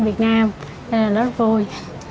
nên là rất vui